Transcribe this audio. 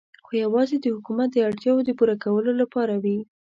خو یوازې د حکومت د اړتیاوو د پوره کولو لپاره وې.